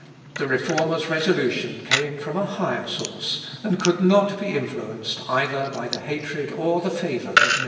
The Reformer's resolution came from a higher source, and could not be influenced either by the hatred or the favour of men.